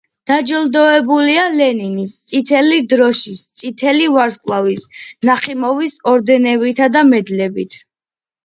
დაჯილდოებულია ლენინის, წითელი დროშის, წითელი ვარსკვლავის, ნახიმოვის ორდენებითა და მედლებით.